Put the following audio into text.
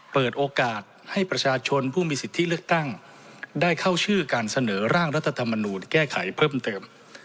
เปิดโอกาสให้ประชาชนผู้มีสิทธิเลือกตั้งได้เข้าชื่อการเสนอร่างรัฐธรรมนูลแก้ไขเพิ่มเติม